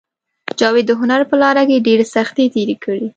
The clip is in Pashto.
جاوید د هنر په لاره کې ډېرې سختۍ تېرې کړې